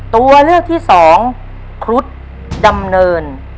ตัวเลือกที่สองครุฑดำเนิน